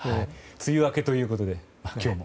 梅雨明けということで今日も。